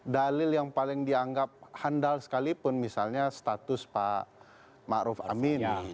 dalil yang paling dianggap handal sekalipun misalnya status pak ma'ruf amin